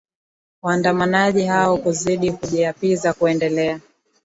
waandamanaji hao kuzidi kujiapiza kuendelea